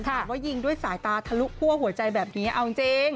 แต่ว่ายิงด้วยสายตาทะลุคั่วหัวใจแบบนี้เอาจริง